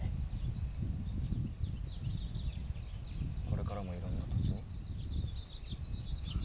これからもいろんな土地に？